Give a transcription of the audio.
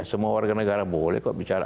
semua warga negara boleh kok bicara